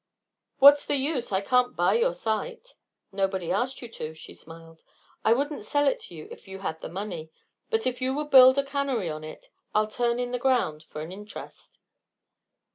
"What's the use? I can't buy your site." "Nobody asked you to," she smiled. "I wouldn't sell it to you if you had the money; but if you will build a cannery on it, I'll turn in the ground for an interest."